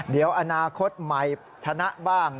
เดี๋ยวอนาคตใหม่ชนะบ้าง